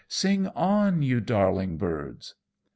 Sing on, you darling birds!"